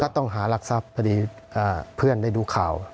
ก็ต้องหารักษัพพอดีเพื่อนได้ดูข่าว